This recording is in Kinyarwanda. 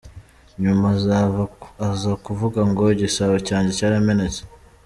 Nyuma aza kuvuga ngo «Igisabo cyanjye cyaramenetse.